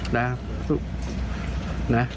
นะครับ